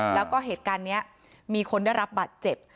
แล้วก็เหตุการณ์นี้มีคนได้รับบาดเจ็บ